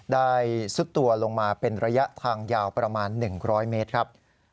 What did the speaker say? ซุดตัวลงมาเป็นระยะทางยาวประมาณ๑๐๐เมตรครับ